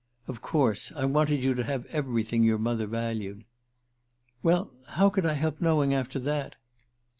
"Of course. I wanted you to have everything your mother valued." "Well how could I help knowing after that?"